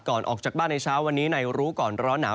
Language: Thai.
ออกจากบ้านในเช้าวันนี้ในรู้ก่อนร้อนหนาว